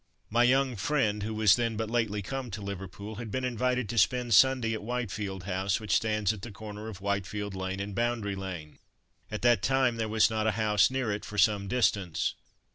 My young friend who was then but lately come to Liverpool, had been invited to spend Sunday at Whitefield House, which stands at the corner of Whitefield lane and Boundary lane. At that time there was not a house near it for some distance.